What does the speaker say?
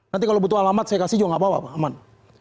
nanti kalau butuh alamat saya kasih juga gak apa apa pak aman